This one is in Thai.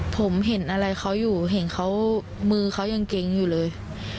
ผมเห็นอะไรเขาอยู่เห็นเขามือเขายังเกรงอยู่เลย